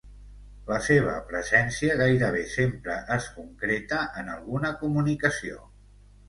La seva presència gairebé sempre es concreta en alguna comunicació.